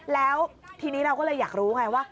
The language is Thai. แล้วทีนี้เราก็เลยอยากรู้ไงว่า